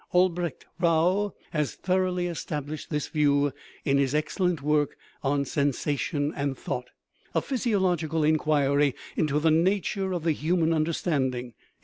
Albrecht Rau has thoroughly established this view in his excellent work on Sensation and Thought, a physiological inquiry into the nature of the human understanding (1896).